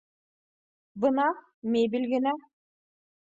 — Бына мебель генә